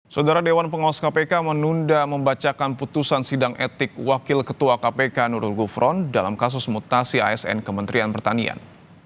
saudara dewan pengawas kpk menunda membacakan putusan sidang etik wakil ketua kpk nurul gufron dalam kasus mutasi asn kementerian pertanian